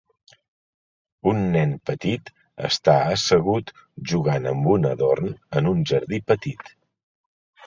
Un nen petit està assegut jugant amb un adorn en un jardí petit.